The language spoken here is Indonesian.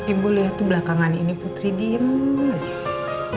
ibu lihat tuh belakangan ini putri diem aja